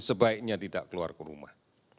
sebaiknya tidak keluar ke rumah